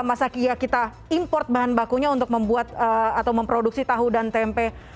masa kia kita import bahan bakunya untuk membuat atau memproduksi tahu dan tempe